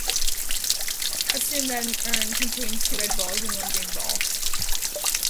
Assume that an urn contains two red balls and one green ball.